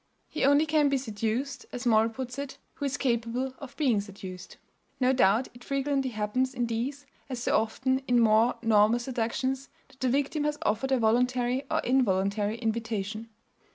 "He only can be seduced," as Moll puts it, "who is capable of being seduced." No doubt it frequently happens in these, as so often in more normal "seductions," that the victim has offered a voluntary or involuntary invitation.